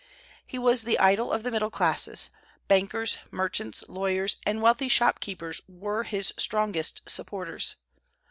He was the idol of the middle class; bankers, merchants, lawyers, and wealthy shopkeepers were his strongest supporters.